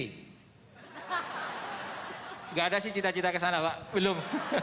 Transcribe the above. tidak ada sih cita cita ke sana pak belum